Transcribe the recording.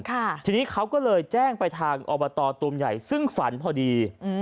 ทีนี้เขาก็เลยแจ้งไปทางอบตตูมใหญ่ซึ่งฝันพอดีอืม